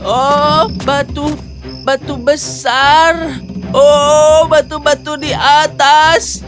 oh batu batu besar oh batu batu di atas